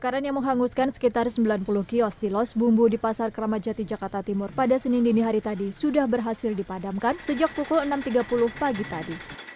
kebakaran yang menghanguskan sekitar sembilan puluh kios di los bumbu di pasar kramajati jakarta timur pada senin dini hari tadi sudah berhasil dipadamkan sejak pukul enam tiga puluh pagi tadi